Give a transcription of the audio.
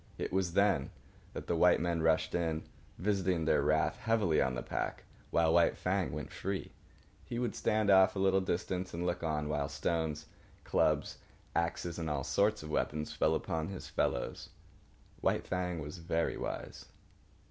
It was then that the white men rushed in, visiting their wrath heavily on the pack, while White Fang went free. He would stand off at a little distance and look on, while stones, clubs, axes, and all sorts of weapons fell upon his fellows. White Fang was very wise.